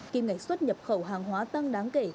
kim ngạch xuất nhập khẩu hàng hóa tăng đáng kể